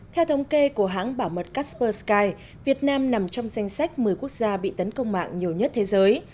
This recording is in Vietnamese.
theo thống kê của hãng bảo mật casper sky việt nam nằm trong danh sách một mươi quốc gia bị tấn công mạng nhiều nhất thế giới